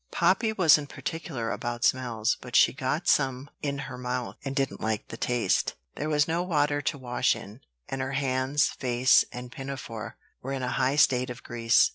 Poppy wasn't particular about smells; but she got some in her mouth, and didn't like the taste. There was no water to wash in; and her hands, face, and pinafore were in a high state of grease.